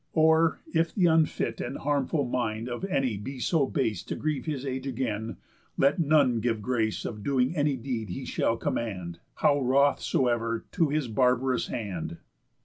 Or, if th' unfit And harmful mind of any be so base To grieve his age again, let none give grace Of doing any deed he shall command, How wroth soever, to his barbarous hand.